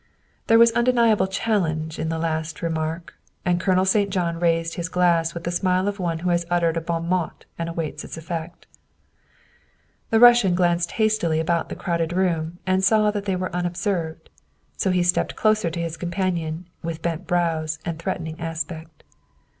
There was undeniable challenge in the last remark, and Colonel St. John raised his glass with the smile of one who has uttered a bon mot and awaits its effect. The Russian glanced hastily about the crowded room and saw they were unobserved, so he stepped closer to his companion with bent brows and threatening aspect.